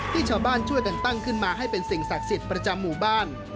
ที่ชาวบ้านช่วยกันตั้งขึ้นมาให้เป็นสิ่งศักดิ์สิทธิ์ประจำหมู่บ้าน